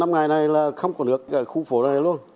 năm ngày này là không có nước ở khu phố này luôn